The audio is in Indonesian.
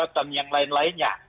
dan yang lain lainnya